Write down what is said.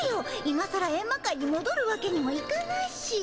今さらエンマ界にもどるわけにもいかないし。